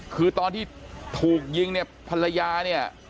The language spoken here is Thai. คือตอนที่ถูกยิงเนี่ยภรรยาเนี่ย